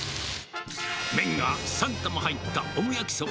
麺が３玉入ったオム焼きそば。